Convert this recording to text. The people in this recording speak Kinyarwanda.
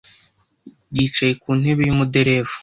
yicaye ku ntebe y’umuderevu.